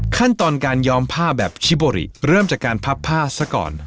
ขั้นตอนการย้อมผ้าแบบชิโบริเริ่มจากการพับผ้าซะก่อน